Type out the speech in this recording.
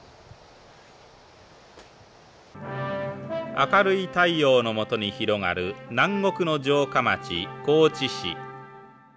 「明るい太陽のもとに広がる南国の城下町高知市」。